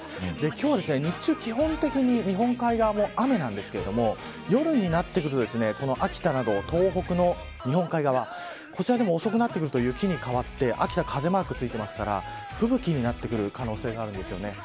今日は、日中、基本的に日本海側も雨なんですけど夜になってくると秋田など東北の日本海側、こちらでも遅くなってくると雪に変わって秋田、風マークがついていますから吹雪になってくる可能性があるんですよね。